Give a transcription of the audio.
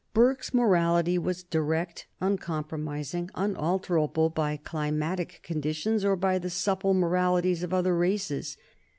Burke's morality was direct, uncompromising, unalterable by climatic conditions or by the supple moralities of other races.